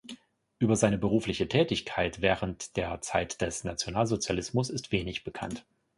Über seine berufliche Tätigkeit während der Zeit des Nationalsozialismus ist wenig bekannt.